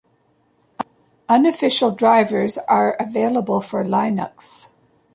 Unofficial drivers are available for Linux.